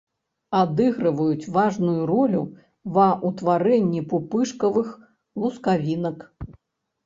Адыгрываюць важную ролю ва ўтварэнні пупышкавых лускавінак.